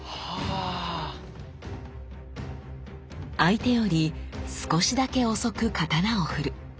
相手より少しだけ遅く刀をふる。